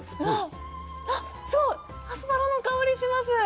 あっ、すごい！アスパラの香りします！